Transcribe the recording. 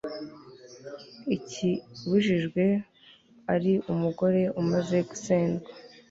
ikibujijwe ari umugore umaze gusendwa